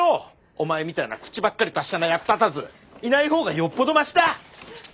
おまえみたいな口ばっかり達者な役立たずいない方がよっぽどマシだ！